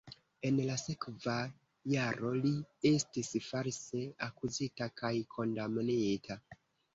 En la sekva jaro li estis false akuzita kaj kondamnita.